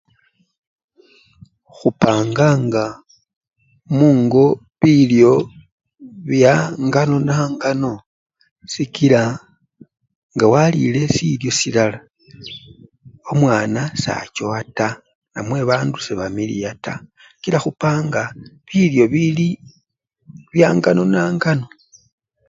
Khupanganga mungo bilyo byangano-nangano sikila nga walile silyo silala, omwana sachowa taa namew bandu sebamiliya taa kila khupanga bilyo bili byangano-nangano.